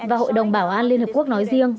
và hội đồng bảo an liên hợp quốc nói riêng